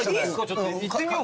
ちょっといってみよう。